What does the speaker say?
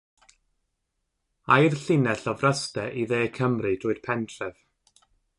Âi'r llinell o Fryste i Dde Cymru drwy'r pentref.